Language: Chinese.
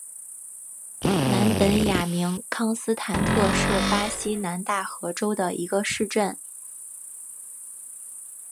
南本雅明康斯坦特是巴西南大河州的一个市镇。